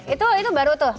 itu baru tuh